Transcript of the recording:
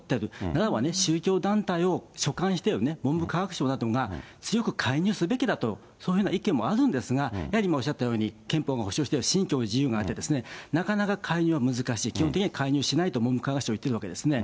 ならばね、宗教団体を所管してる文部科学省などが強く介入すべきだと、そういうふうな意見もあるんですが、やはり今おっしゃったように、憲法が保障している信教の自由があって、なかなか介入は難しい、基本的に介入しないと文部科学省は言ってるんですね。